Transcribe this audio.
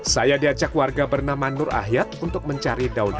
saya diajak warga bernama nur ahyad untuk mencari daunnya